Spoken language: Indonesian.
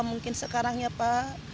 mungkin sekarang ya